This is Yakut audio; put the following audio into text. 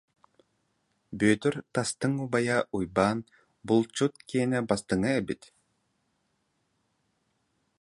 Бүөтүр тастыҥ убайа Уйбаан булчут киэнэ бастыҥа эбит